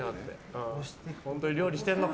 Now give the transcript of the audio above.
本当に料理してるのか！